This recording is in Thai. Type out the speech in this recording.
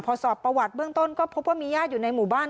พอสอบประวัติเบื้องต้นก็พบว่ามีญาติอยู่ในหมู่บ้าน